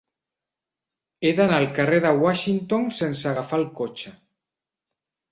He d'anar al carrer de Washington sense agafar el cotxe.